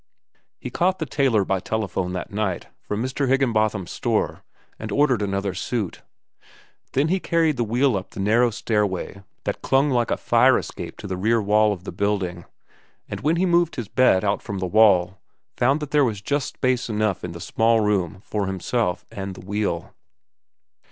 He caught the tailor by telephone that night from Mr. Higginbotham's store and ordered another suit. Then he carried the wheel up the narrow stairway that clung like a fire escape to the rear wall of the building, and when he had moved his bed out from the wall, found there was just space enough in the small room for himself and the wheel.